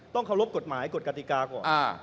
ต้องเคารพกฎหมายกฎกติกาก่อน